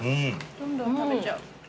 どんどん食べちゃう。